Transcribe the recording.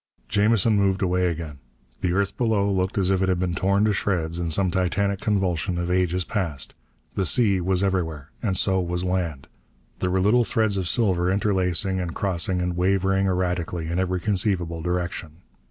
Jamison moved away again. The earth below looked as if it had been torn to shreds in some titanic convulsion of ages past. The sea was everywhere, and so was land! There were little threads of silver interlacing and crossing and wavering erratically in every conceivable direction.